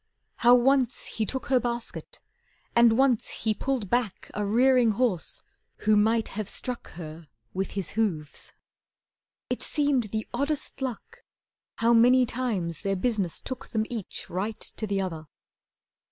How once he took her basket, and once he Pulled back a rearing horse who might have struck Her with his hoofs. It seemed the oddest luck How many times their business took them each Right to the other.